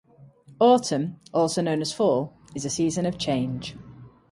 Autumn, also known as fall, is a season of change.